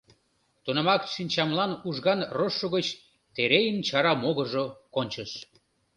Тунамак шинчамлан ужган рожшо гыч Терейын чара могыржо кончыш.